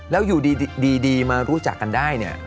แล้วอยู่ดีมารู้จักกันได้เนี่ย